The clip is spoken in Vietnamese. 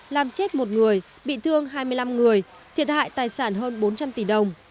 làm chết một người bị thương hai mươi năm người thiệt hại tài sản hơn bốn trăm linh tỷ đồng